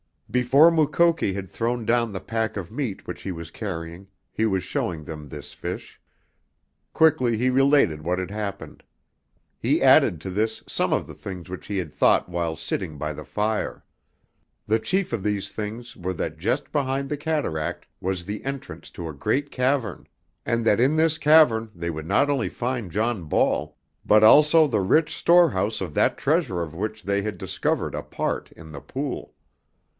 Before Mukoki had thrown down the pack of meat which he was carrying he was showing them this fish. Quickly he related what had happened. He added to this some of the things which he had thought while sitting by the fire. The chief of these things were that just behind the cataract was the entrance to a great cavern, and that in this cavern they would not only find John Ball, but also the rich storehouse of that treasure of which they had discovered a part in the pool.